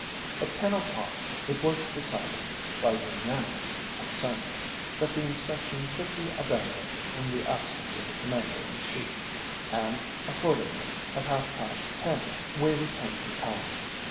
At ten o'clock it was decided, by unanimous consent, that the inspection should be abandoned in the absence of the Commander in Chief, and accordingly, at half past ten, we returned to town.